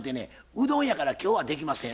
うどんやから今日はできません。